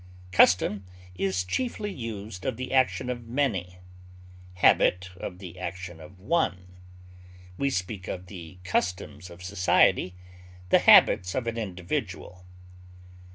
Custom is chiefly used of the action of many; habit of the action of one; we speak of the customs of society, the habits of an individual.